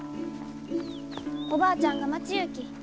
おばあちゃんが待ちゆうき。